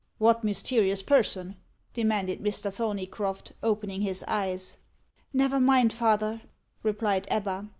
"What mysterious person?" demanded Mr. Thorneycroft, opening his eyes. "Never mind, father," replied Ebba.